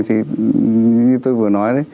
thì như tôi vừa nói